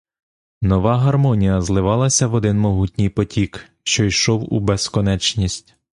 Нова гармонія зливалася в один могутній потік, що йшов у безконечність.